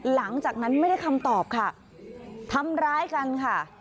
หลังจากนั้นไม่ได้คำตอบค่ะทำร้ายกันค่ะ